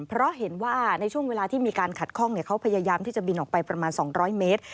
เพราะเห็นว่าในช่วงเวลาที่มีการขัดข้องเขาพยายามที่จะบินออกไปประมาณ๒๐๐เมตร